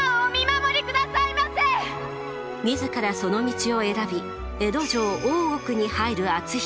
自らその道を選び江戸城大奥に入る篤姫。